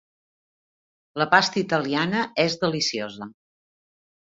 La pasta italiana és deliciosa.